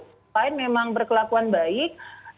selain memang berkelakuan baik